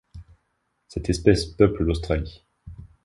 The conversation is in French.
Cette espèce peuple l'Australie.